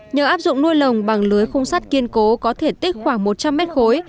nhờ áp dụng nuôi lồng bằng lưới khung sắt kiên cố có thể tích khoảng một trăm linh mét khối